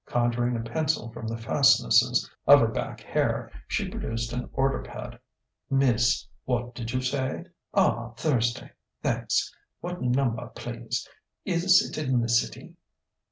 Conjuring a pencil from the fastnesses of her back hair, she produced an order pad. "Miss what did you say? Ah, Thursday! Thanks. What numba, please? Is it in the city?"